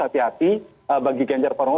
hati hati bagi ganjar pranowo